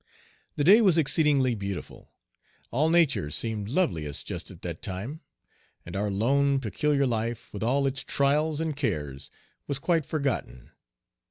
The day was exceedingly beautiful; all nature seemed loveliest just at that time, and our lone, peculiar life, with all its trials and cares, was quite forgotten.